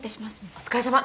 お疲れさま。